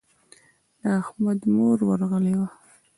د احمد مور ورغلې وه.